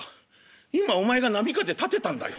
「今お前が波風立てたんだよ。